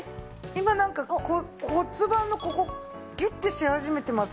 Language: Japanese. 今なんか骨盤のここギュッてし始めてます。